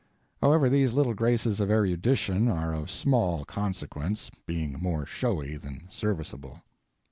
However, these little graces of erudition are of small consequence, being more showy than serviceable.